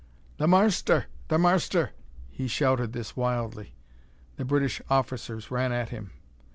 "The marster the marster " He shouted this wildly. The British officers ran at him.